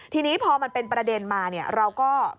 ทีนี้พอมันเป็นประเด็นมาเนี่ยเราก็